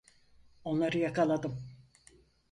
Onları yakaladım.